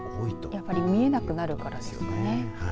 やっぱり見えなくなるからですね。